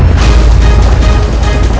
aku akan menangkapmu